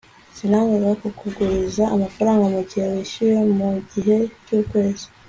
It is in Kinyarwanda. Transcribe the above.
sinanga kuguriza amafaranga mugihe wishyuye mugihe cyukwezi